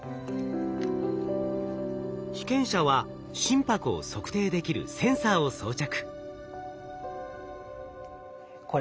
被験者は心拍を測定できるセンサーを装着。